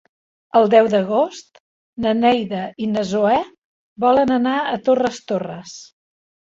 El deu d'agost na Neida i na Zoè volen anar a Torres Torres.